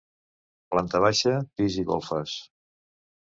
Planta baixa, pis i golfes.